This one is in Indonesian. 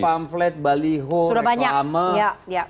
itu pamflet baliho reklama